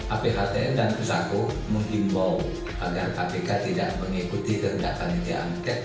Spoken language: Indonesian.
aphtn dan pesaku menghimbau agar kpk tidak mengikuti ternyata anggota angket